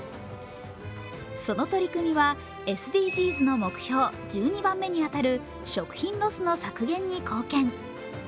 その取り組みは、ＳＤＧｓの目標１２番目に当たる食品ロスの削減に貢献。